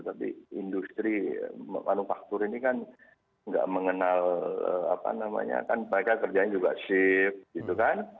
tapi industri manufaktur ini kan nggak mengenal apa namanya kan mereka kerjanya juga shift gitu kan